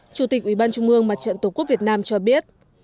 chủ tịch ủy ban trung mương mặt trận tổ quốc việt nam cho biết